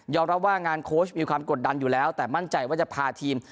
รับว่างานโค้ชมีความกดดันอยู่แล้วแต่มั่นใจว่าจะพาทีม